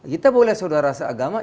kita boleh saudara seagama